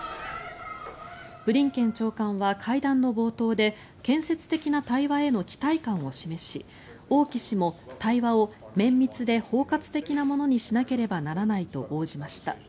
ブリンケン長官は会談の冒頭で建設的な対話への期待感を示し王毅氏も対話を綿密で包括的なものにしなければならないと報じました。